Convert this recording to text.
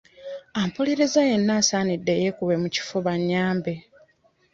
Ampuliriza yenna asaanidde yeekube mu kifuba annyambe.